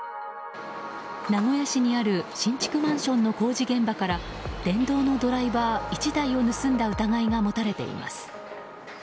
名古屋市にある新築マンションの工事現場から電動のドライバー１台を盗んだ疑いが持たれています。